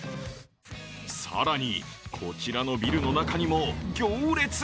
更に、こちらのビルの中にも行列。